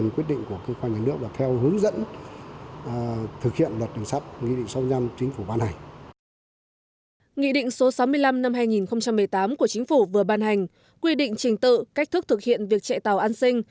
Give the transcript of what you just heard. quy định trình tự cách thức thực hiện việc chạy tàu an sinh